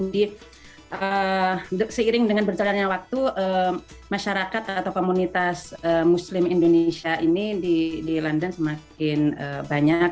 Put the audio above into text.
jadi seiring dengan berjalannya waktu masyarakat atau komunitas muslim indonesia ini di london semakin banyak